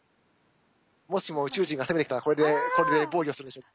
もしも宇宙人が攻めてきたらこれで防御するでしょう。